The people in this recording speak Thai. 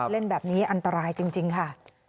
เล่นแบบนี้อันตรายจริงค่ะ